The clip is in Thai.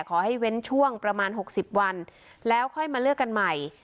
เว้นช่วงประมาณ๖๐วันแล้วค่อยมาเลือกกันใหม่